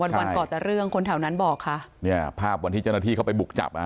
วันวันก่อแต่เรื่องคนแถวนั้นบอกค่ะเนี่ยภาพวันที่เจ้าหน้าที่เข้าไปบุกจับอ่ะ